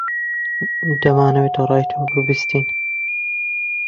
دەمانەوێت ڕای تۆ ببیستین.